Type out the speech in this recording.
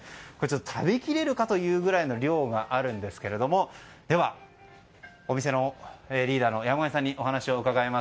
食べきれるかというぐらいの量があるんですがでは、お店のリーダーの山上さんにお話を伺います。